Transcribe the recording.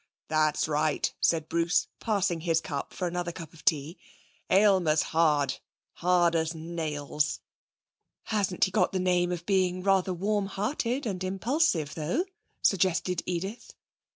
'That's right!' said Bruce, passing his cup for another cup of tea. 'Aylmer's hard, hard as nails.' 'Hasn't he got the name of being rather warm hearted and impulsive, though?' suggested Edith.